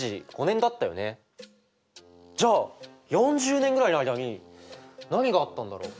じゃあ４０年ぐらいの間に何があったんだろう？